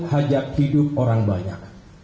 hajak hidup orang banyak